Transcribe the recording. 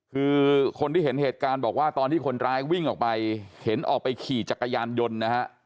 คือคนที่เห็นเหตุการณ์บอกว่าตอนที่คนร้ายวิ่งออกไปเห็นออกไปขี่จักรยานยนต์นะฮะ